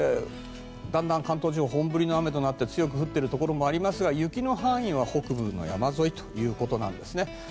だんだん関東地方は本降りの雨となって強く降っているところもありますが雪の範囲は北部の山沿いということなんですね。